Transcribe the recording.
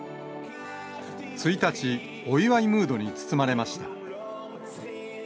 １日、お祝いムードに包まれました。